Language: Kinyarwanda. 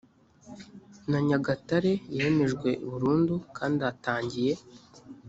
na nyagatare yemejwe burundu kandi atangiye